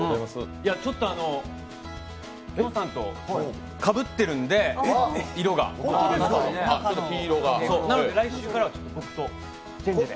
ちょっと、きょんさんと色がかぶってるんでなので来週から僕とチェンジで。